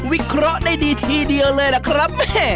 วิเคราะห์ได้ดีทีเดียวเลยล่ะครับ